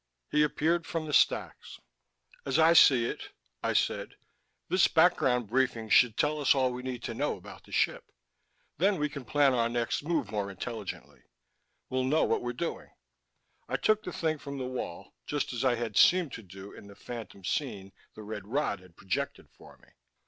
He appeared from the stacks. "As I see it," I said, "this background briefing should tell us all we need to know about the ship; then we can plan our next move more intelligently. We'll know what we're doing." I took the thing from the wall, just as I had seemed to do in the phantom scene the red rod had projected for me.